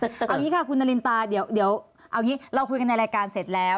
แต่เอาอย่างนี้ค่ะคุณนารินตาเดี๋ยวเอางี้เราคุยกันในรายการเสร็จแล้ว